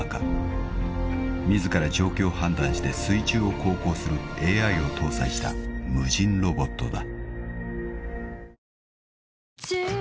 ［自ら状況を判断して水中を航行するＡＩを搭載した無人ロボットだ］